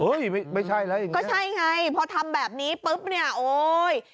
ไม่ใช่แล้วยังไงก็ใช่ไงพอทำแบบนี้ปุ๊บเนี่ยโอ๊ย